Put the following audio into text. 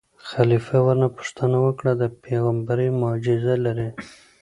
خلیفه ورنه پوښتنه وکړه: د پېغمبرۍ معجزه لرې.